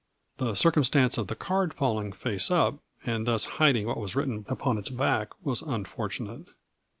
The circumstance of the card falling face up. and thus hiding what was written upon its back was unfortunate.